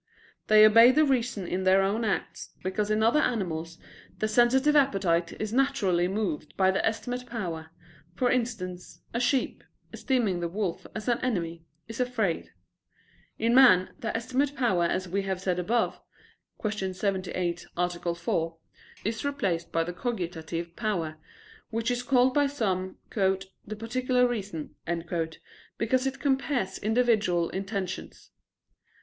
They obey the reason in their own acts, because in other animals the sensitive appetite is naturally moved by the estimative power; for instance, a sheep, esteeming the wolf as an enemy, is afraid. In man the estimative power, as we have said above (Q. 78, A. 4), is replaced by the cogitative power, which is called by some "the particular reason," because it compares individual intentions.